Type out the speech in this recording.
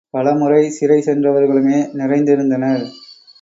பலமுறை சிறை சென்றவர்களுமே நிறைந்திருந்தனர்.